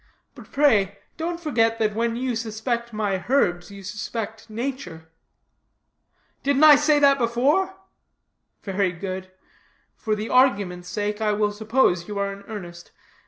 But pray, don't forget that when you suspect my herbs you suspect nature." "Didn't I say that before?" "Very good. For the argument's sake I will suppose you are in earnest.